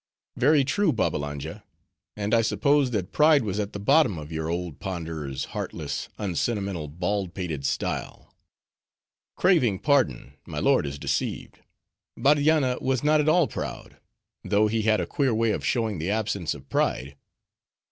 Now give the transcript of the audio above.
"Very true, Babbalanja; and I suppose that pride was at the bottom of your old Ponderer's heartless, unsentimental, bald pated style." "Craving pardon, my lord is deceived. Bardianna was not at all proud; though he had a queer way of showing the absence of pride.